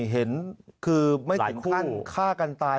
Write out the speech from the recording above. เห็นคือไม่ถึงขั้นฆ่ากันตาย